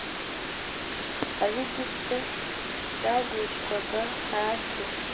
Ab'igice cyagushwaga hasi